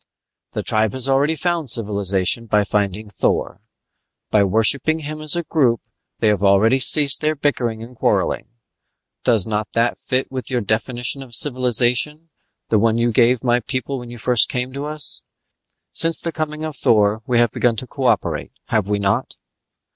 "The tribe has already found civilization in finding Thor. By worshipping Him as a group they have already ceased their bickering and quarreling. Does not that fit in with your definition of civilization, the one you gave my people when you first came to us? Since the coming of Thor we have begun to cooperate, have we not?"